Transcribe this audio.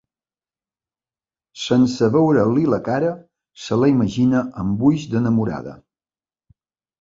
Sense veure-li la cara, se la imagina amb ulls d'enamorada.